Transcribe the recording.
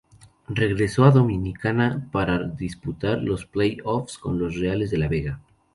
Regresó a Dominicana para disputar los playoffs con los Reales de La Vega.